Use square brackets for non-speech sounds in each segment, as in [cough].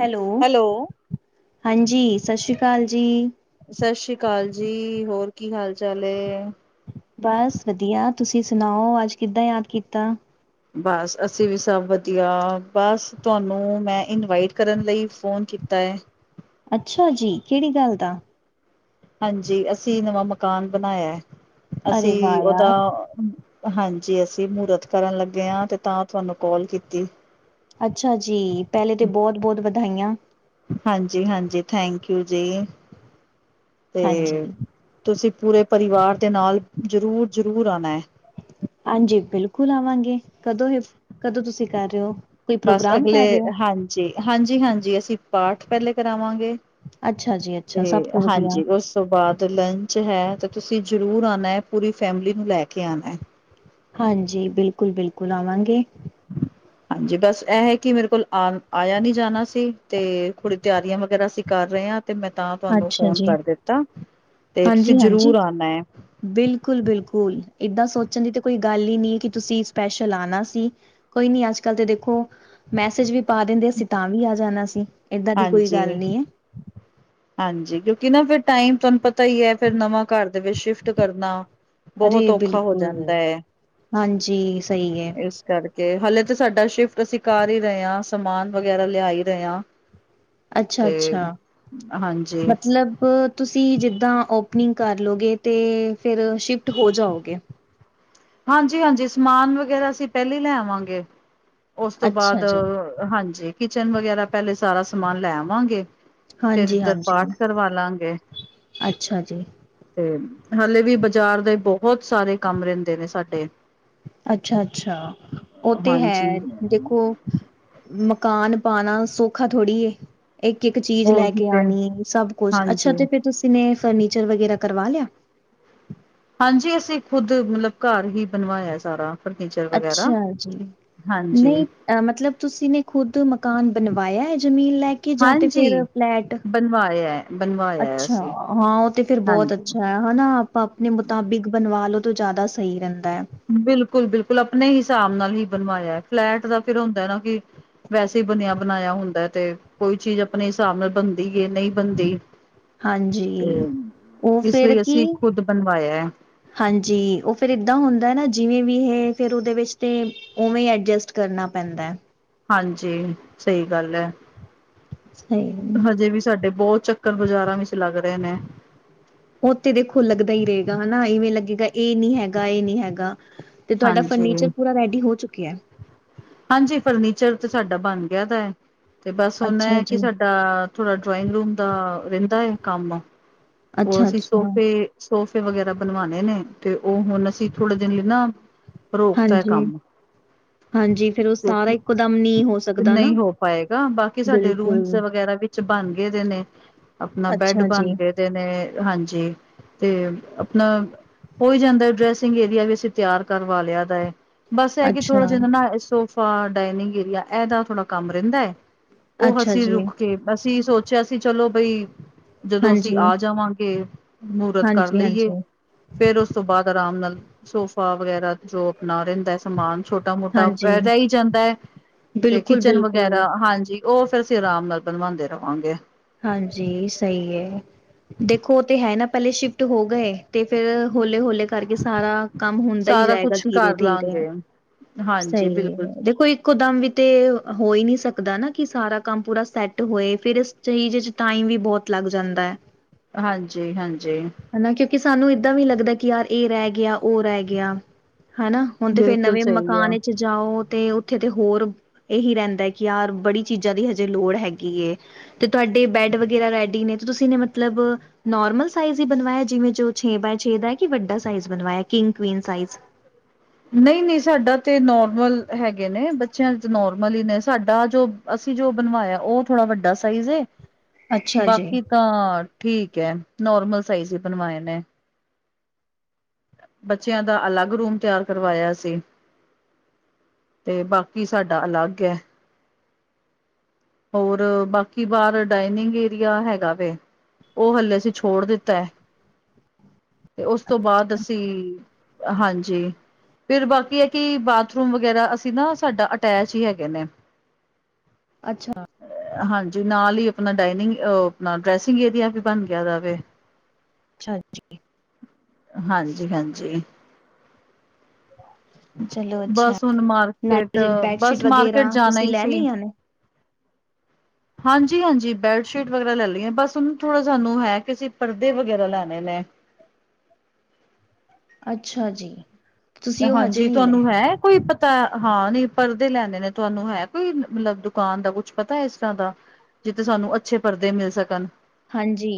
Hello ਹਾਂਜੀ ਸਤਿ ਸ਼੍ਰੀ ਕਾਲ ਜੀ। ਸਤਿ ਸ੍ਰੀ ਕਾਲ ਜੀ। ਹੋਰ ਕੀ ਹਾਲ ਚਾਲ ਏ? ਬਸ ਵਧੀਆ। ਤੁਸੀਂ ਸੁਨਾਔ ਅੱਜ ਕਿੱਦਾਂ ਯਾਦ ਕੀਤਾ? ਬਸ ਅਸੀਂ ਵੀ ਸਭ ਵਧੀਆ। ਬਸ ਤੁਆਨੂੰ ਮੈਂ ਇਨਵਾਈਟ ਕਰਨ ਲਈ ਫੋਨ ਕੀਤਾ ਏ। ਅੱਛਾ ਜੀ! ਕੇੜੀ ਗੱਲ ਦਾ? ਹਾਂਜੀ ਅਸੀਂ ਨਵਾਂ ਮਕਾਨ ਬਨਾਇਆ। ਅਰੇ ਅਸੀਂ ਵਾਹ ਉਦਾ ਯਾਰ ਹਾਂਜੀ ਅਸੀਂ ਮੂਰਤ ਕਰਨ ਲੱਗੇ ਆ ਤੇ ਤਾਂ ਤੁਆਨੂੰ ਕਾਲ ਕੀਤੀ। ਅੱਛਾ ਜੀ! ਪੈਲੇ ਤੇ ਬਹੁਤ-ਬਹੁਤ ਵਧਾਈਆਂ। ਹਾਂਜੀ- ਹਾਂਜੀ ਥੈਂਕਯੂ ਜੀ ਤੇ ਹਾਂਜੀ, ਤੁਸੀਂ ਪੂਰੇ ਪਰਿਵਾਰ ਦੇ ਨਾਲ ਜ਼ਰੂਰ -ਜ਼ਰੂਰ ਆਨਾ ਐ। ਹਾਂਜੀ ਬਿਲਕੁਲ ਆਵਾਂਗੇ। ਕਦੋਂ ਏ ਕਦੋਂ ਤੁਸੀਂ ਕਰ ਰੇ ਔ। ਬਸ ਅਗਲੇ ਹਾਂਜੀ-ਹਾਂਜੀ-ਹਾਂਜੀ ਅਸੀਂ ਪਾਠ ਪੈਲੇ ਕਰਾਵਾਂਗੇ। ਅੱਛਾ ਜੀ ਅੱਛਾ ਤੇ ਸਭ ਤੋਂ ਵਧੀਆ। ਹਾਂਜੀ ਉਸ ਬਾਅਦ ਲੰਚ ਹੈ ਤਾਂ ਤੁਸੀਂ ਜ਼ਰੂਰ ਆਣਾ, ਪੂਰੀ ਫੈਮਿਲੀ ਨੂੰ ਲੈ ਕੇ ਆਣਾ। ਹਾਂਜੀ ਬਿਲਕੁਲ ਬਿਲਕੁਲ ਆਵਾਂਗੇ। ਹਮ [inaudible] ਹਾਂਜੀ, ਬਸ ਇਹ ਹੈ ਕਿ ਮੇਰੇ ਕੋਲ ਆਣ ਆਇਆ ਨੀ ਜਾਣਾ ਸੀ ਤੇ ਥੋੜੀ ਤਿਆਰੀਆਂ ਵਗੈਰਾ ਸੀ। ਕਰ ਰਹੇ ਆ ਤੇ ਮੈਂ ਤਾਂ ਤੁਹਾਨੂੰ ਅੱਛਾ ਫੋਨ ਜੀ। ਕਰ ਦਿੱਤਾ, ਤੇ ਤੁਸੀਂ ਜ਼ਰੂਰ ਆਂਣਾ ਏ। ਬਿਲਕੁਲ ਬਿਲਕੁਲ ਏਦਾਂ ਸੋਚਣ ਦੀ ਤਾਂ ਕੋਈ ਗੱਲ ਈ ਨੀ ਕਿ ਤੁਸੀਂ ਸਪੈਸ਼ਲ ਆਂਣਾ ਸੀ। ਕੋਈ ਨੀ ਅੱਜ ਕੱਲ ਤੇ ਦੇਖੋ, ਮੈਸੇਜ ਵੀ ਪਾ ਦਿੰਦੇ ਤੇ ਅਸੀਂ ਤਾਂ ਵੀ ਆ ਜਾਣਾ ਸੀ। ਏਦਾਂ ਦੀ ਕੋਈ ਹਾਂਜੀ। ਗੱਲ ਨੀ ਹੈ। ਹਾਂਜੀ, ਕਿਉਂਕਿ ਨਾ ਫਿਰ ਟਾਈਮ ਤੁਹਾਨੂੰ ਪਤਾ ਈ ਆ, ਫਿਰ ਨਵਾਂ ਘਰ ਦੇ ਵਿੱਚ ਸ਼ਿਫਟ ਕਰਨਾ। ਬਹੁਤ ਅਰੇ ਔਖਾ ਹੋ ਬਿਲਕੁਲ ਜਾਂਦਾ ਹਾਂਜੀ ਸਹੀ ਹੈ ਇਸ ਕਰਕੇ ਹਲੇੇ ਤੇ ਸਾਡਾ ਸ਼ਿਫਟ ਅਸੀਂ ਕਰ ਈ ਰਹੇ ਆ, ਸਮਾਨ ਵਗੈਰਾ ਲਿਆ ਈ ਰਹੇ ਆ। ਅੱਛਾ ਅੱਛਾ ਹਾਂਜੀ ਮਤਲਬ ਤੁਸੀਂ ਜਿੱਦਾਂ ਓਪਨਿੰਗ ਕਰਲਓਗੇ ਤੇ ਫਿਰ ਸ਼ਿਫਟ ਹੋ ਜਾਓਗੇ। ਹਾਂਜੀ ਹਾਂਜੀ ਸਮਾਨ ਵਗੈਰਾ ਅਸੀਂ ਪਹਿਲੀ ਲੈ ਆਵਾਂਗੇ, ਉਸ ਤੋਂ ਅੱਛਾ ਬਾਅਦ ਜੀ ਹਾਂਜੀ, ਕਿਚਨ ਵਗੈਰਾ ਪਹਿਲੇ ਸਾਰਾ ਸਮਾਨ ਲੈ ਆਵਾਂਗੇ। ਫਿਰ ਇੱਧਰ ਹਾਂਜੀ-ਹਾਂਜੀ ਪਾਠ ਕਰਵਾ ਲਾਂ ਗੇ। ਅੱਛਾ ਜੀ। ਤੇ ਹਾਲੇ ਵੀ ਬਜ਼ਾਰ ਦੇ ਬਹੁਤ ਸਾਰੇ ਕੰਮ ਰਹਿੰਦੇ ਨੇ ਸਾਡੇ। ਅੱਛਾ ਅੱਛਾ ਉਹ ਤੇ ਹੈ ਹਾਂਜੀ। ਦੇਖੋ ਮਕਾਨ ਪਾਣਾ ਸੌਖਾ ਥੋੜ੍ਹੀ ਏ। ਇੱਕ ਇੱਕ ਚੀਜ਼ ਲੈ ਉਹੀ ਕੇ ਤੇ ਆਣੀ ਏ ਸਭ ਕੁਛ, ਅੱਛਾ ਹਾਂਜੀ। ਤੇ ਫਿਰ ਤੁਸੀਂ ਨੇ ਫਰਨੀਚਰ ਵਗੈਰਾ ਕਰਵਾ ਲਿਆ? ਹਾਂਜੀ ਅਸੀਂ ਖੁੱਦ ਮਤਲਬ ਘਰ ਹੀ ਬਣਵਾਇਆ ਸਾਰਾ। ਫਰਨੀਚਰ ਵਗੈਰਾ ਅੱਛਾ ਜੀ। ਹਾਂਜੀ। ਨਈ ਅ ਮਤਲਬ ਤੁਸੀਂ ਨੇ ਖੁਦ ਮਕਾਨ ਬਣਵਾਇਆ ਹੈ ਜ਼ਮੀਨ ਲੈ ਕੇ ਜਾਂ ਤੇ ਫਿਰ ਹਾਂਜੀ! ਫਲੈਟ? ਬਣਵਾਇਆ। ਅੱਛਾ! ਹਾਂ ਉਹ ਤੇ ਫੇਿਰ ਬਹੁਤ ਹਾਂਜੀ। ਅੱਛਾ ਆ। ਹੈਨਾ ਆਪਾਂ ਆਪਣੇ ਮੁਤਾਬਿਕ ਬਣਵਾਾਲੋ ਤਾਂ ਜ਼ਿਆਦਾ ਸਹੀ ਰਹਿੰਦਾ ਆ। ਬਿਲਕੁਲ ਬਿਲਕੁਲ ਆਪਣੇ ਹਿਸਾਬ ਨਾਲ ਹੀ ਬਣਵਾਇਆ ਫਲੈਟ ਦਾ ਫਿਰ ਹੁੰਦਾ ਨਾ ਕਿ ਵੈਸੇ ਬਣਿਆ ਬਣਾਇਆ ਹੁੰਦਾ ਤੇ ਕੋਈ ਚੀਜ਼ ਆਪਣੇ ਹਿਸਾਬ ਨਾਲ ਬਣਦੀ ਏ ਨਹੀਂ ਬਣਦੀ। ਤੇ ਹਾਂਜੀ ਓ ਇਸ ਫਿਰ ਲਈ ਕੀ ਅਸੀਂ ਖੁਦ ਬਣਵਾਇਆ। ਹਾਂਜੀ, ਉਹ ਫਿਰ ਇੱਦਾਂ ਹੁੰਦਾ ਨਾ ਜਿਵੇਂ ਵੀ ਇਹ ਫਿਰ ਉਹਦੇ ਵਿੱਚ ਤੇ ਉਵੇਂ ਐਡਜਸਟ ਕਰਨਾ ਪੈਂਦਾ। ਹਾਂਜੀ, ਸਹੀ ਗੱਲ ਏ, ਸਈ ਹਜੇ ਵੀ ਸਾਡੇ ਬਹੁਤ ਚੱਕ ਚਕਰ ਬਾਜ਼ਾਰਾਂ ਵਿਚ ਲੱਗ ਰਹੇ ਨੇ। ਉਹ ਤੇ ਦੇਖੋ ਲੱਗਦਾ ਈ ਰਹੇਗਾ, ਹੈਨਾ ਇਵੇਂ ਲੱਗੇਗਾ ਇਹ ਨੀ ਹੈਗਾ ਇਹ ਨੀ ਹੈਗਾ। ਤੇ ਤੁਹਾਡਾ ਹਾਂਜੀ ਫਰਨੀਚਰ ਪੂਰਾ ਰੈਡੀ ਹੋ ਚੁੱਕਿਆ। ਹਾਂਜੀ ਫਰਨੀਚਰ ਤੇ ਸਾਡਾ ਬਣ ਗਿਆ ਦਾ ਹੈ ਤੇ ਬਸ ਹੁਣ ਅੱਛਾ ਏਹ ਕਿ ਜੀ ਸਾ ਦਾ ਥੋੜਾ ਡਰਾਇੰਗ ਰੂਮ ਦਾ ਰਹਿੰਦਾ ਏ ਕੰਮ ਉਹ ਅੱਛਾ ਅਸੀਂ ਅੱਛਾ ਸੋਫੇ ਸੋਫੇ ਵਗੈਰਾ ਬਣਵਾਣੇ ਨੇ ਤੇ ਉਹ ਹੁਣ ਅਸੀਂ ਥੋੜੇ ਦਿਨ ਲਈ ਨਾ ਰੋਕਤਾ ਏ ਹਾਂਜੀ ਕੰਮ। ਹਾਂਜੀ ਫੇਰ ਉਹ [inaudible] ਸਾਰਾ ਰੋਟੀ ਇੱਕੋ ਦਮ ਨਹੀਂ ਹੋ ਸਕਦਾ ਨਾ ਨਹੀਂ ਹੋ ਪਾਏਗਾ। ਬਾਕੀ ਸਾਡੇ ਰੂਮ ਚ ਬਿਲਕੁਲ ਵਗੈਰਾ ਵੀ ਤੇ ਬਣ ਗੇ ਦੇ ਨੇ ਆਪਣਾ ਬੈੱਡ ਅੱਛਾ ਬਣ ਜੀ ਗਏ ਤੇ ਨੇ ਹਾਂਜੀ ਤੇ ਆਪਣਾ ਹੋਈ ਜਾਂਦਾ ਡਰੈਸਿੰਗ ਏਰੀਆ ਵੀ ਅਸੀਂ ਤਿਆਰ ਕਰਵਾ ਲਿਆ ਦਾ ਏ। ਬਸ ਇਹ ਕਿ ਅੱਛਾ ਥੋੜ੍ਹਾ ਜਿਨ੍ਹਾਂ ਸੋਫਾ, ਡਾਇਨਿੰਗ ਏਰੀਆ ਇਹਦਾ ਥੋੜ੍ਹਾ ਕੰਮ ਰਹਿੰਦਾ ਏ। ਉਹ ਅੱਛਾ ਅਸੀਂ ਜੀ ਰੁਕ ਕੇ ਅਸੀਂ ਸੋਚਿਆ ਸੀ ਚਲੋ ਬਈ ਜਦੋਂ ਵੀ ਹਾਂਜੀ ਆ ਜਾਵਾਂਗੇ, ਮਹੂਰਤ ਕਰ ਹਾਂਜੀ ਲਈਏ। ਹਾਂਜੀ ਫੇਰ ਉਸ ਤੋਂ ਬਾਦ ਆਰਾਮ ਨਾਲ ਸੋਫਾ ਵਗੈਰਾ ਜੋ ਅਪਣਾ ਰਹਿੰਦਾ ਸਮਾਨ ਛੋ ਕੰਮ ਮੋਟਾ ਹਾਂਜੀ ਰਹੀ ਜਾਂਦਾ ਹੈ ਤੇ ਬਿਲਕੁਲ ਕਿਚਨ ਬਿਲਕੁਲ ਵਗੈਰਾ ਹਾਂਜੀ। ਉ ਫੇਰ ਅਸੀਂ ਆਰਾਮ ਨਾਲ ਬਣਵਾਂਦੇ ਰਵਾਗੇ। ਹਾਂਜੀ, ਸਹੀ ਏ। ਦੇਖੋ ਉ ਤੇ ਹੈ ਨਾ ਪਹਿਲੇ ਸ਼ਿਫਟ ਹੋ ਗਏ ਤੇ ਫਿਰ ਹੌਲੇ-ਹੌਲੇ ਇਸ ਕਰਕੇ ਸਾਰਾ ਕੰਮ ਹੁੰਦਾ ਈਂ ਸਾਰਾ ਜਾਏਗਾ ਕੁਛ ਕਰ ਦੀਰੇ-ਦੀਰੇ। ਲਾਂਗੇ ਹਾਂਜੀ ਸਹੀ ਏ ਬਿਲਕੁਲ ਦੇਖੋ ਇ ਇਕੋ ਦਮ ਵੀ ਤੇ ਹੋਈ ਨੀ ਸਕਦਾ ਨਾ ਕਿ ਸਾਰਾ ਕੰਮ ਪੂਰਾ ਸੈੱਟ ਹੋਏ ਫਿਰ ਇ ਚੀਜ ਚ ਟਾਈਮ ਵੀ ਬਹੁਤ ਲੱਗ ਜਾਂਦਾ ਏ। ਹਾਂਜੀ-ਹਾਂਜੀ। ਹੈਨਾ ਕਿਉਂਕਿ ਸਾਨੂੰ ਏਦਾਂ ਵੀ ਲੱਗਦਾ ਕਿ ਯਾਰ ਇਹ ਰਹਿ ਗਿਆ ਉਹ ਰਹਿ ਗਿਆ ਹਨਾ। ਹੁਣ ਤੇ ਫੇਰ ਬਿਲਕੁਲ ਨਵੇਂ ਸਹੀ ਮਕਾਨ ਆ। ਵਚ ਜਾਓ ਤੇ ਉੱਥੇ ਤੇ ਹੋਰ ਇਹੀ ਰਹਿੰਦਾ ਏ ਕਿ ਯਾਰ ਬੜੀ ਚੀਜ਼ਾਂ ਦੀ ਹਜੇ ਲੋੜ ਹੈਗੀ ਏ। ਤੇ ਤੁਹਾਡੇ ਬੈਡ ਵਗੈਰਾ ਰੈਡੀ ਨੇ ਤੇ ਤੁਸੀਂ ਨੇ ਮਤਲਬ ਨੋਰਮਲ ਸਾਈਜ ਈ ਬਣਵਾਇਆ ਜਿਵੇਂ ਜੋ ਛੇ ਬਾਈ ਛੇ ਦਾ ਏ ਵੱਡਾ ਸਾਈਜ ਬਣਵਾਇਆ ਕਿੰਗ ਕੀਵੀਨ ਸਾਈਜ। ਨਈ-ਨਈ, ਸਾਡਾ ਤੇ ਨੋਰਮਲ ਹੈਗੇ ਨੇ ਬੱਚਿਆਂ ਚ ਨੋਰਮਲ ਹੀ ਨੇ ਸਾਡਾ ਜੋ ਅਸੀਂ ਜੋ ਬਣਵਾਇਆ ਉਹ ਥੋੜਾ ਵੱਡਾ ਸਾਈਜ਼ ਏ। ਅੱਛਾ ਜੀ ਬਾਕੀ ਤਾਂ ਠੀਕ ਏ, ਨੋਰਮਲ ਸਾਈਜ਼ ਈ ਬਣਵਾਏ ਨੇ। ਬੱਚਿਆਂ ਦਾ ਅਲੱਗ ਰੂਮ ਤਿਆਰ ਕਰਵਾਇਆ ਅਸੀਂ। ਬਾਕੀ ਸਾਡਾ ਅਲੱਗ ਏ। ਹੋਰ ਬਾਕੀ ਬਾਹਰ ਡਾਇਨਿੰਗ ਏਰੀਆ ਹੈਗਾ ਵੇ। ਉ ਹਲੇੇ ਅਸੀਂ ਛੋੜ ਦਿੱਤਾ ਏ। ਤੇ ਉਸ ਤੋਂ ਬਾਅਦ ਅਸੀਂ, ਹਾਂਜੀ। ਫਿਰ ਬਾਕੀ ਏ ਕਿ ਬਾਥਰੂਮ ਵਗੈਰਾ ਅਸੀਂ ਨਾ ਸਾਡਾ ਅਟੈਚ ਈ ਹੈਗੇ ਨੇ। ਅੱਛਾ। ਹਾਂਜੀ, ਨਾਲ ਹੀ ਆਪਣਾ ਡਾਇਨਿੰਗ ਓ ਆਪਣਾ ਡਰੈਸਿੰਗ ਏਰੀਆ ਵੀ ਬਣ ਗਿਆ ਦਾਵੇ। ਅੱਛਾਜੀ। ਹਾਂਜੀ-ਹਾਂਜੀ। ਚਲੋ ਅੱਛਾ ਬਸ ਹੁਣ ਮਾਰਕੀਟ ਨਾਲੇ ਬੈਡਸ਼ੀਟ ਬਸ ਵਗੈਰਾ ਮਾਰਕੀਟ ਜਾਂਨਾ ਤੁਸੀਂ ਈਂ ਲੈ ਸੀ। ਲਈਆਂ ਨੇ? [inaudible] ਹਾਂਜੀ-ਹਾਂਜੀ, ਬੈਡਸ਼ੀਟ ਵਗੈਰਾ ਲੈ ਲਈਆਂ, ਬਸ ਹੁਨ ਥੋੜ੍ਹਾ ਸਾਨੂੰ ਹੈ ਕਿ ਅਸੀਂ ਪਰਦੇ ਵਗੈਰਾ ਲੈਣੇ ਨੇ। ਅੱਛਾ ਜੀ। ਤੁਸੀਂ ਉਹ ਹਜੇ ਹਾਂਜੀ, ਨਹੀਂ ਲਏ। ਤੁਹਾਨੂੰ ਹੈ। ਕੋਈ ਪਤਾ ਏ, ਨੀ ਪਰਦੇ ਲੈਂਨੇ ਨੇ ਤੁਹਾਨੂੰ ਹੈ ਕੋਈ ਮਤਲਬ ਦੁਕਾਨ ਦਾ ਕੁਛ ਪਤਾ ਇਸ ਤਰ੍ਹਾਂ ਦਾ। ਜਿੱਤੇ ਸਾਨੂੰ ਅੱਛੇ ਪਰਦੇ ਮਿਲ ਸਕਣ। ਹਾਂਜੀ।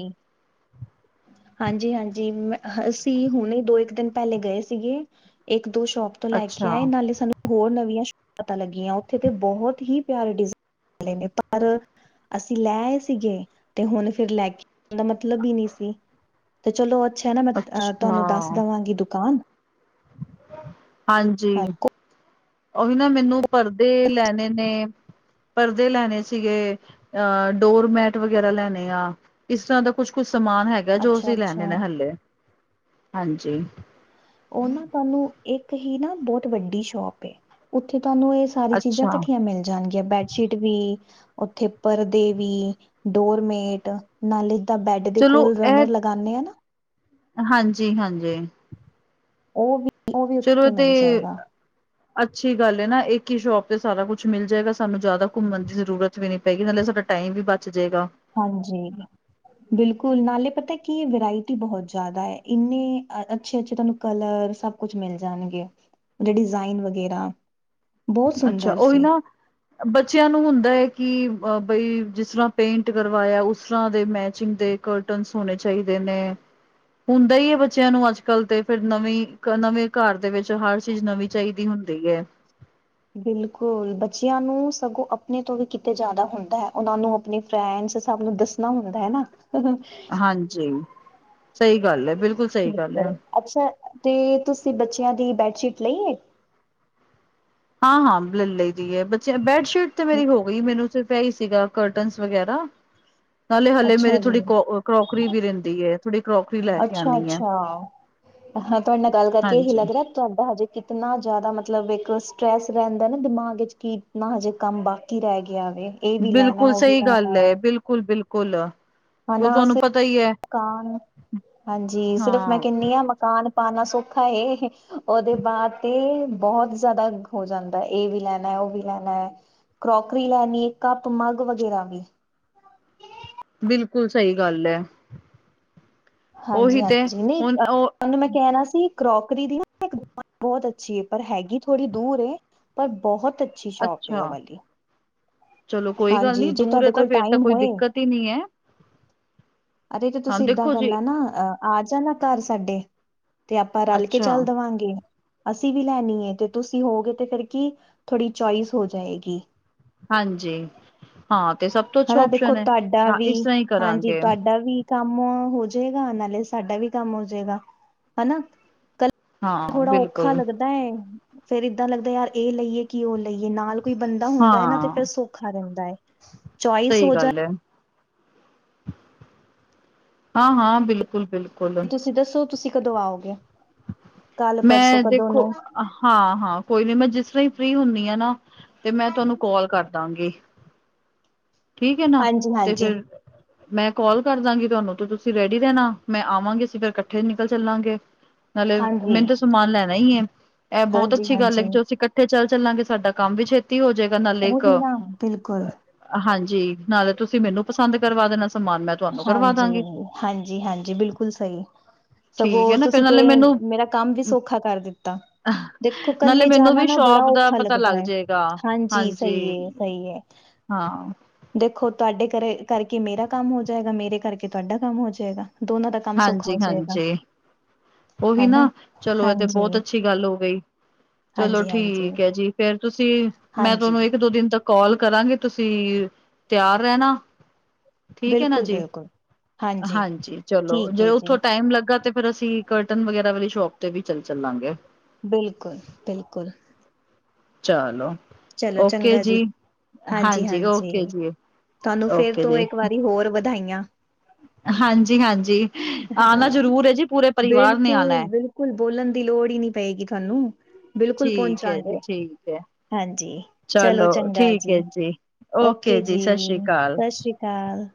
ਹਾਂਜੀ-ਹਾਂਜੀ, ਮ ਅਸੀਂ ਹੁਣੇ ਦੋ-ਇੱਕ ਦਿਨ ਪਹਿਲੇ ਗਏ ਸੀਗੇ। ਇੱਕ-ਦੋ ਸ਼ੋਪ ਤੋਂ ਲੈ ਕੇ ਅੱਛਾ, ਆਏ ਨਾਲੇ ਸਾਨੂੰ ਹੋਰ ਨਵੀਆਂ ਸ਼ੋਪ ਲੱਗੀਆਂ ਉੱਥੇ ਤੇ ਬਹੁਤ ਹੀ ਪਿਆਰੇ ਡਿਜਾਇਨ ਮਿਲੇ ਨੇ ਪਰ ਅਸੀਂ ਲੈ ਆਏ ਸੀਗੇ ਤੇ ਹੁਣ ਫਿਰ ਲੈ ਕੇ ਆਉਣ ਦਾ ਮਤਲਬ ਹੀ ਨਹੀਂ ਸੀ। ਤੇ ਚਲੋ ਅੱਛਾ ਹੈਨਾ ਮੈਂ ਆ ਅੱਛਾ ਤੁਹਾਨੂੰ ਦੱਸ ਦੇਵਾਂਗੀ ਦੁਕਾਨ। ਹਾਂਜੀ, ਉਵੀ ਨਾ ਮੈਨੂੰ ਪਰਦੇ ਲੈਣੇ ਨੇ। ਪਰਦੇ ਲੈਣੇ ਸੀਗੇ। ਅ ਡੋਰਮੈਟ ਵਗੈਰਾ ਲੈਨੇਆ, ਇਸ ਤਰਾਂ ਦਾ ਕੁਛ-ਕੁੱਛ ਸਮਾਨ ਹੈ ਗਾ ਜੋ ਅਸੀਂ ਲੈਨੇ ਨੇ ਅੱਛਾ-ਅੱਛਾ। ਹੱਲੇੇ, ਹਾਂਜੀ। ਓ ਨਾ ਧਾਨੂੰ ਇੱਕ ਹੀ ਨਾ ਬੌਤ ਵੱਡੀ ਸ਼ੋਪ ਏ, ਓਥੇ ਧਾਨੂੰ ਏ ਸਾਰੀਆਂ ਚੀਜ਼ਾਂ ਅੱਛਾ ਕੱਠੀਆਂ ਮਿਲ ਜਾਣਗੀਆ ਬੈਡਸ਼ੀਟ ਵੀ, ਓਥੇ ਪਰਦੇ ਵੀ, ਡੋਰਮੇਟ ਨਾਲੇ ਏਦਾ ਬੈਡ ਦੇ ਕੋਲ ਰਨਰ ਲਗਾਂਨੇ ਆਂ ਨਾ। ਹਾਂਜੀ-ਹਾਂਜੀ। ਓ ਵੀ ਉਹ ਵੀ ਚਲੋ ਏ ਉੱਥੇ ਤੇ ਮਿਲ ਜਾਏਗਾ। ਅੱਛੀ ਗੱਲ ਏ ਨਾ ਏਕ ਈ ਸੌ਼ਪ ਤੇ ਸਾਰਾ ਕੁਛ ਮਿਲ ਜਾਏਗਾ ਸਾਨੂੰ ਜਾਦਾ ਘੁੰਮਣ ਦੀ ਜ਼ਰੂਰ ਤ ਵੀ ਨੀ ਪਏਗੀ ਨਾਲੇ ਸਾਡਾ ਟਾਈਮ ਵੀ ਬਚ ਜੇਗਾ। ਹਾਂਜੀ। ਬਿਲਕੁਲ ਨਾਲੇ ਪਤਾ ਕੀ ਏ ਵਰਾਏਟੀ ਬਹੋ ਜਾਦਾ ਐ, ਈਨੀ ਅ ਅੱਛੇ-ਅੱਛੇ ਧੋਨੂੰ ਕਲਰ ਸਭ ਕੁਛ ਮਿਲ ਜਾਣਗੇ, ਡੇ ਡਿਜ਼ਾਈਨ ਵਗੈਰਾ। ਬਹੁਤ ਅੱਛਾ ਸੁੰਦਰ ਓਈ ਸੀ। ਨਾ ਬੱਚੇਆਂ ਨੂੰ ਹੁੰਦਾ ਐ ਕੀ ਅ ਬਈ ਜਿਸ ਤਰਾਂ ਪੇਂਟ ਕਰਵਾਏਆ ਊਸ ਤਰ ਦੇ ਮੈਚਿੰਗ ਦੇ ਕਟਨਸ ਹੋਣੇ ਚਾਈਦੇ ਨੇ। ਹੁੰਦਾ ਈ ਏ ਬੱਚੇਆਂ ਨੂੰ ਅੱਜ-ਕੱਲ ਤੇ ਫੇਰ ਨਵੀਂ ਨਵੇਂ ਘਰ ਦੇ ਵਿਚ ਹਰ ਚੀਜ਼ ਨਵੀਂ ਚਾਈਦੀ ਹੁੰਦੀ ਐ। ਬਿਲਕੁਲ ਬੱਚੇਆਂ ਨੂੰ ਸਗੋਂ ਆਪਣੇ ਤੋਂ ਵੀ ਕਿਤੇ ਜਾਦਾ ਹੁੰਦਾ ਐ ਓਨਾਂ ਨੂੰ ਅਪਨੀ ਫੈਂਰਡਸ ਦੱਸਣਾ ਹੁੰਦਾ ਐਨਾ। ਹਾਂਜੀ, ਸਈ ਗੱਲ ਐ, ਬਿਲਕੁਲ ਸਈ ਗੱਲ ਐ। ਅੱਛਾ, ਤੇ ਤੁਸੀਂ ਬੱਚੇਆਂ ਦੀ ਬੈਡਸ਼ੀਟ ਲਈਏ? ਹਾਂ-ਹਾਂ ਲੈ ਲਈ ਦੀ ਐ ਬੱਚੇ ਬੈਡਸ਼ੀਟ ਤੇ ਮੇਰੀ ਹੋ ਗਈ ਮੇਨੂੰ ਸਿਰਫ ਐਹੀ ਸੀਗਾ ਕਟਨਸ ਵਗੈਰਾ ਨਾਲੇ ਹਾਲੇ ਮੇਰੀ ਅੱਛਾ ਜੀ ਥੋੜੀ ਕਰੋਕਰੀ ਵੀ ਰੈਂਦੀ ਥੋੜੀ ਕਰੋਕਰੀ ਲੈ ਕੇ ਅੱਛਾ ਆਨੀ ਐ। ਅੱਛਾ ਹਾਂ ਤੁਹਾ ਨਾਲ ਗੱਲ ਕਰਕੇ ਏਹੀ ਹਾਂਜੀ ਲੱਗ ਰਾ ਤੁਹਾਡਾ ਹਜੇ ਕਿਤਨਾ ਜਾਦਾ ਮਤਲਬ ਇੱਕ ਸਟਰ੍ਰੈਸ ਰੈਂਦਾ ਨਾ ਦਿਮਾਗ ਵਿਚ ਕੀ ਕਿਤਨਾ ਹਜੇ ਕੰਮ ਬਾ ਕੀ ਰੈ ਗੈ ਵੇ। ਇਹ ਵੀ ਲੈਣਾ ਬਿਲਕੁਲ ਉਹ ਵੀ ਸਈ ਗੱਲ ਲੈਣਾ ਹੈ ਐ, ਬਿਲਕੁਲ-ਬਿਲਕੁਲ। ਹਨਾ ਅਸੀਂ ਕਾਨ, ਹਾਂਜੀ ਸਿਰਫ਼ ਮੈਂ ਹਾਂ ਕੈਂਨੀ ਆਂ ਮਕਾਨ ਪਾਣਾ ਸੋਖਾ ਏ ਓਦੇ ਬਾਦ ਤੇ ਬਹੁਤ ਜਾਦਾ ਹੋ ਜਾਂਦਾ ਏ ਵੀ ਲੈਣਾ ਓ ਵੀ ਲੈਣਾ। ਕਰੋਕਰੀ ਲੈਨੀ ਕੱਪ-ਮੱਗ ਵਗੈਰਾ ਵੀ। ਬਿਲਕੁਲ ਸਈ ਗੱਲ ਐ, ਓਹੀ ਤੇ, ਹੁਨ ਓ ਧਾਨੂੰ ਮੈਂ ਕੈਣਾ ਸੀ ਕਰੋਕਰੀ ਦੀ ਨਾ ਏਕ ਦ ਬਹੁਤ ਅੱਛੀ ਏ ਪਰ ਹੈਗੀ ਥੋੜੀ ਦੂਰ ਏ, ਪਰ ਬਹੁਤ ਅੱਛੀ ਸੌ਼ਪ ਏ ਅੱਛਾ ਓ ਵਾਲੀ। ਚਲੋ ਕੋਈ ਗੱਲ ਨੀ ਹਾਂਜੀ ਜੇ ਦੂਰ ਏ ਤੁਹਾਡੇ ਤਾਂ ਕੋਲ ਫੇਰ ਤਾਂ ਟਾਈਮ ਕੋਈ ਹੋਏ ਦਿਕਤ ਈ ਨੀ ਐਂ ਅਰੇ ਤੇ ਤੁਸੀਂ ਏਦਾਂ ਦੇਖੋ ਜੀ ਕਰਨਾ ਨਾ ਅ ਆ ਜਾਨਾ ਘਰ ਸਾਡੇ, ਤੇ ਆਪਾਂ ਰਲ ਕੇ ਅੱਛਾ ਚੱਲ ਦਵਾਂਗੇ। ਅਸੀਂ ਵੀ ਲੈਨੀ ਏ ਤੇ ਤੁਸੀਂ ਹੋਗੇ ਤੇ ਫੇਰ ਕੀ ਥੋੜੀ ਚੌਇਸ ਹੋ ਜਾਏਗੀ। ਹਾਂਜੀ, ਹਾਂ ਤੇ ਸਬ ਹਨਾ ਦੇਖੋ ਤਾਡਾ ਵੀ, ਹਾਂਜੀ, ਕਰਾਂਗੇ ਤਾਡਾ ਵੀ ਕੰਮ ਹੋ ਜੇਗਾ ਨਾਲੇ ਸਾਡਾ ਵੀ ਕੰਮ ਹੋ ਜੇਗਾ ਹਨਾ ਕ ਹਾਂ ਥੋੜਾ ਓਖਾ ਬਿਲਕੁਲ ਲੱਗਦਾ ਐ, ਫੇਰ ਈਦਾਂ ਲੱਗਦਾ ਯਾਰ ਏ ਲਈਏ ਓ ਲਈਏ ਨਾਲ ਕੋਈ ਬੰਦਾ ਹੁੰਦਾ ਐ ਨਾ ਤੇ ਹਾਂ ਫਿਰ ਸੌਖਾ ਰਹਿੰਦਾ ਐ ਸਹੀ ਗੱਲ ਐ ਹਾਂ ਹਾਂ ਬਿਲਕੁਲ ਐ ਬਿਲਕੁਲ ਐ ਤੁ ਦੱਸੋ ਤੁਸੀਂ ਕਦੋਂ ਆਓਗੇ ਕੱਲ ਪਰਸੋਂ ਕਦੋਂ ਨੂੰ ਆ ਹਾਂ ਹਾਂ ਕੋਈ ਨੀ ਮੈਂ ਜਿਸ ਤਰ੍ਹਾਂ ਹੀ ਫ੍ਰਰੀ ਹੁੰਣੀ ਆ ਨਾ ਤੇ ਮੈਂ ਤੁਹਾਨੂੰ ਕੋਲ ਕਰਦਾਂਗੀ ਈ ਠੀਕ ਐ ਨਾ ਹਾਂਜੀ ਤੇ ਹਾਂਜੀ ਫਿਰ ਮੈਂ ਕੋਲ ਕਰਦਾਂ ਗੀ ਤੁਹਾਨੂੰ ਤੇ ਤੁਸੀਂ ਰੈਡੀ ਈ ਰਹਿਣਾ ਆ ਮੈਂ ਆਵਾਂ ਗੀ ਅਸੀਂ ਫੇਰ ਇਕੱਠੇ ਨਿਕਲ ਚੱਲਾਂਗੇ ਏ ਨਾਲੇ ਹਾਂਜੀ ਮੈਨੂੰ ਤੇ ਸਮਾਨ ਲੈਣਾ ਹੀ ਐ ਇਹ ਬਹੁਤ ਹਾਂਜੀ ਅੱਛੀ ਗੱਲ ਹਾਂਜੀ ਐ ਕਿ ਚੱਲੋ ਅਸੀਂ ਕ ਫੇਰ ਚੱਲਾਂ ਗੇ ਸਾਡਾ ਕੰਮ ਵੀ ਛੇਤੀ ਹੋ ਜੇ ਗਾ ਨਾਲੇ ਇੱਕ ਉਹੀ ਆ ਨਾ ਬਿਲਕੁਲ ਹਾਂਜੀ ਨਾਲੇ ਤੁਸੀਂ ਮੈਨੂੰ ਪਸੰਦ ਕਰਵਾ ਦੇਣਾ ਆ ਹਾਂਜੀ ਈ ਹਾਂਜੀ ਈ ਹਾਂਜੀ ਈ ਬਿਲਕੁਲ ਸਈ ਸਗੋਂ ਠੀਕ ਹੈ ਨਾ ਫਿਰ ਤੁਸੀਂ ਪੈ ਨਾਲੇ ਮੈਨੂੰ ਅ ਮੇਰਾ ਆ ਕੰਮ ਵੀ ਸੌਖਾ ਕਰ ਦਿੱਤਾ ਆ ਦੇਖੋ ਨਾਲੇ ਕੱਲੇ ਮੈਨੂੰ ਜਾਣਾ ਵੀ ਨਾ ਬੜਾ ਸ਼ੋਪ ਦਾ ਔਖਾ ਪਤਾ ਲੱਗਦਾ ਲੱਗ ਐ ਜਾਏਗਾ। ਹਾਂਜੀ ਸਹੀ ਏ ਸਹੀ ਐ ਹਾਂ ਆ ਦੇਖੋ ਤਾਡੇ ਕਰੇ ਕਰਕੇ ਮੇਰਾ ਕੰਮ ਹੋ ਜਾਏਗਾ ਮੇਰੇ ਕਰਕੇ ਤੁਹਾਡਾ ਕੰਮ ਹੋ ਜਾਏਗਾ ਦੋਨਾਂ ਤੱ ਹਾਂਜੀ ਈ ਹਾਂਜੀ ਈ ਉਹੀ ਹਨਾ। ਨਾ ਚਲੋ ਇਹ ਤੇ ਹਾਂਜੀ, ਬਹੁਤ ਅੱਛੀ ਗੱਲ ਹੋ ਗਈ ਚਲੋ ਹਾਂਜੀ-ਹਾਂਜੀ, ਠੀਕ ਐ ਜੀ ਈ ਫੇਰ ਤੁਸੀਂ ਮੈਂ ਤੁਹਾਨੂੰ ਹਾਂਜੀ ਇੱਕ ਦੋ ਦਿਨ ਤੱਕ ਕੋਲ ਕਰਾਂਗੇ ਈ ਤੁ ਸੀਰ ਤਿਆਰ ਰਹਿਣਾ ਠੀਕ ਐ ਨਾ ਜੀ ਬਿਲਕੁਲ-ਬਿਲਕੁਲ। ਹਾਂਜੀ ਈ ਚਲੋ ਠੀਕ ਜੇ ਹੈ ਜੀ, ਉੱਥੋਂ ਟਾਈਮ ਲੱਗਾ ਤੇ ਫੇਰ ਅਸੀਂ ਕਰਟਨ ਵਗੈਰਾ ਵਾਲੀ ਸ਼ੋਪ ਤੇ ਵੀ ਚੱਲ ਚੱਲਾਂਗੇ ਏ ਬਿਲਕੁਲ ਬਿਲਕੁਲ ਚਾਅ ਲੋ ਚਲੋ ਓਕੇ ਚੰਗਾ ਜੀ ਈ ਹਾਂਜੀ ਹਾਂਜੀ-ਹਾਂਜੀ ਓਕੇ ਜੀ ਈ ਤੁਹਾਨੂੰ ਫੇਰ ਓਕੇ ਤੋਂ ਜੀ ਇੱਕ ਈ ਵਾਰੀ ਹੋਰ ਵਧਾਈਆਂ। ਹਾਂਜੀ ਹਾਂਜੀ ਆਣਾ ਜ਼ਰੂਰ ਐ ਜੀ ਪੂਰੇ ਪਰਿਵਾਰ ਨੇ ਆਣਾ ਬਿਲਕੁਲ, ਐ ਬਿਲਕੁਲ ਬੋਲਣ ਦੀ ਲੋੜ ਹੀ ਨਹੀਂ ਪਏਗੀ ਤੁਹਾਨੂੰ ਬਿਲਕੁਲ ਪਹੁੰਚਾਗੇ ਜੀ ਏ ਠੀਕ ਹੈ ਹਾਂਜੀ ਈ ਚਲੋ ਚੰਗਾ ਠੀਕ ਜੀ ਹੈ ਈ ਓਕੇ ਜੀ ਸਤਿ ਸ੍ਰੀ ਈ ਅਕਾਲ ਸਸਰੀ ਕਾਲ